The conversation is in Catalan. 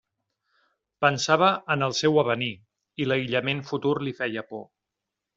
Pensava en el seu avenir, i l'aïllament futur li feia por.